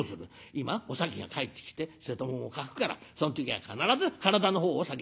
「今お崎が帰ってきて瀬戸物を欠くからその時は必ず体の方を先に聞いてやってくれ」。